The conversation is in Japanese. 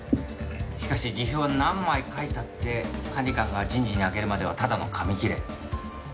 しかし辞表は何枚書いたって管理官が人事にあげるまではただの紙切れ。